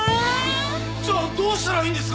じゃあどうしたらいいんですか！